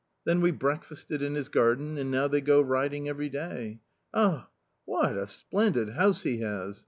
Then we breakfasted in his garden, and now they go riding every day. Ah ! what a splendid house he has